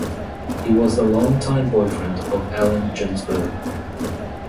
He was the long-time boyfriend of Allen Ginsberg.